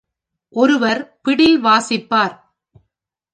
ஒருவர் பிடில் வாசிப்பார்.